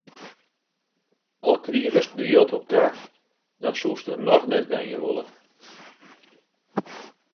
Al krigest der jild op ta, dan soest der noch net wenje wolle.